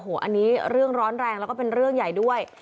โอ้โหอันนี้เรื่องร้อนแรงแล้วก็เป็นเรื่องใหญ่ด้วย